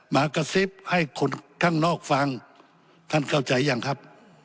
มากระซิบให้คนข้างนอกฟังท่านเข้าใจยังครับ